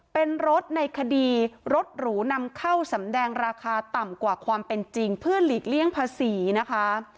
เป็นรถในคดีรถหรูนำเข้าสำแดงราคาต่ำกว่าความเป็นจริงเพื่อหลีกเลี่ยงภาษีนะคะ